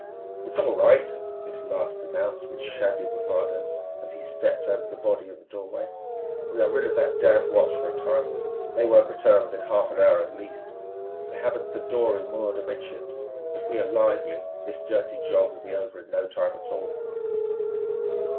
"It's all right," this last announced with shabby bravado as he stepped over the body in the doorway. "We are rid of that damned watch for a time. They won't return within half an hour at least. I have the dory moored amidships. If we are lively, this dirty job will be over in no time at all."